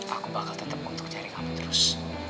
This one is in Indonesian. aku bakal tetap untuk cari kamu terus